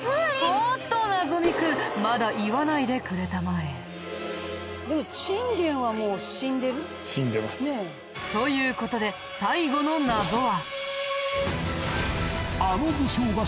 おーっとなぞ美君まだ言わないでくれたまえ。という事で最後の謎は。